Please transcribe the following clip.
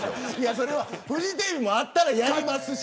それはフジテレビもあったらやりますし。